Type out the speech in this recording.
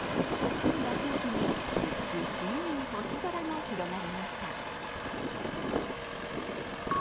澄んだ空気に美しい星空が広がりました。